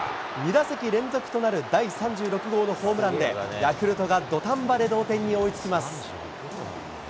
２打席連続となる第３６号のホームランで、ヤクルトが土壇場で同点に追いつきます。